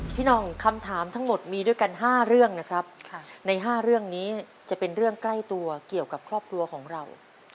หน่องคำถามทั้งหมดมีด้วยกัน๕เรื่องนะครับใน๕เรื่องนี้จะเป็นเรื่องใกล้ตัวเกี่ยวกับครอบครัวของเรา